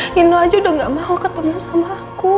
nino aja udah gak mau ketemu sama aku